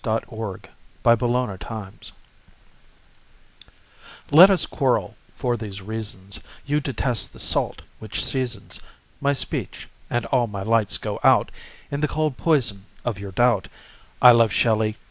Elinor Wylie Quarrel LET us quarrel for these reasons: You detest the salt which seasons My speech ... and all my lights go out In the cold poison of your doubt. I love Shelley